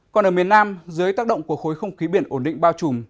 còn ở miền nam dưới tác động của khối không khí biển ổn định bao trùm